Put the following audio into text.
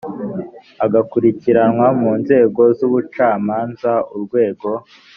agakurikiranwa mu nzego z ubucamanza urwego